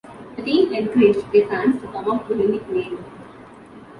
The team encouraged their fans to come up with a nickname.